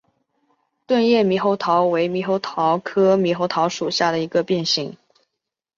钝叶猕猴桃为猕猴桃科猕猴桃属下的一个变型。